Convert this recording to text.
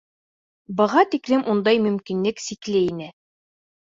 Быға тиклем ундай мөмкинлек сикле ине.